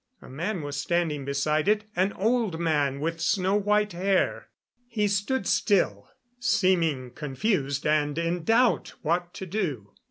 A man was standing beside it an old man with snow white hair. He stood still, seeming confused and in doubt what to do.